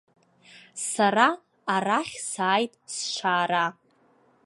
Сара арахь сааит сшаара.